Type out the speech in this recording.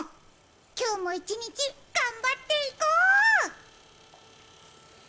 今日も一日頑張っていこう！